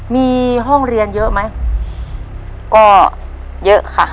มีห้องเรียนเยอะไหมก็เยอะค่ะ